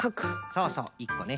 そうそう１こね。